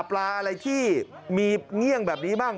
ปลาอะไรที่มีเงี่ยงแบบนี้บ้าง